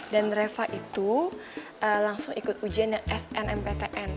dan reva itu langsung ikut ujian yang snmptn